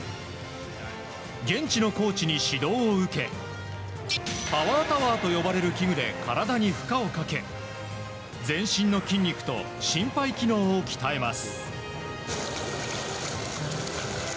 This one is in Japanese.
現地のコーチに指導を受け、パワータワーと呼ばれる器具で体に負荷をかけ、全身の筋肉と心肺機能を鍛えます。